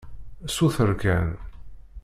Suter kan.